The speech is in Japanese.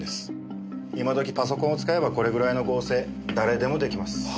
今時パソコンを使えばこれぐらいの合成誰でも出来ます。